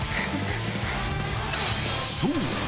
そう！